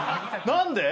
何で？